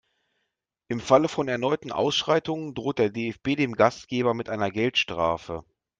Im Falle von erneuten Ausschreitungen droht der DFB dem Gastgeber mit einer Geldstrafe.